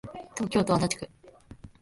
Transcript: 東京都足立区